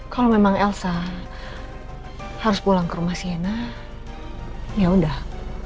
kalau memang elsa harus pulang ke rumah sienna yaudah